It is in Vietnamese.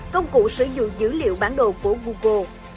công cụ sử dụng dữ liệu bản đồ của google